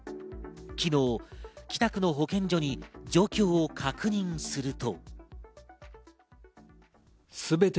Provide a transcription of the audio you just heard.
昨日、北区の保健所に状況を確認すると。